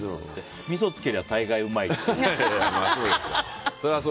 みそつければ大概うまいって。